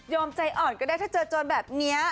ใจอ่อนก็ได้ถ้าเจอโจรแบบนี้